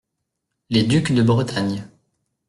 Les ducs de Bretagne.